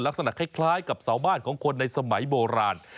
ลักษณะคล้ายกับเสาบ้านของคนในสมัยโบราณ